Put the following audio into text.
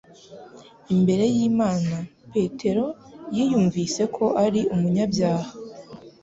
Imbere y'Imana, Petero yiyumvise ko ari umunyabyaha.